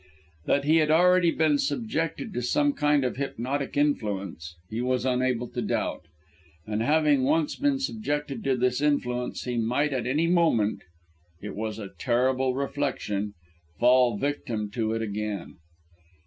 That he had already been subjected to some kind of hypnotic influence, he was unable to doubt; and having once been subjected to this influence, he might at any moment (it Was a terrible reflection) fall a victim to it again.